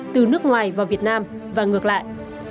từ nước ngoài vào việt nam và ngược lại